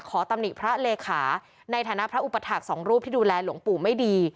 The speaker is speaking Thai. ตำหนิพระเลขาในฐานะพระอุปถาคสองรูปที่ดูแลหลวงปู่ไม่ดี